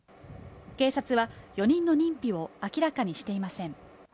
警察は４人の認否を明らかにしていません。